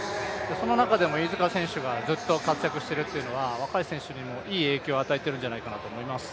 その中でも飯塚選手がずっと活躍しているというのは、若い選手にもいい影響を与えているんじゃないかなと思います。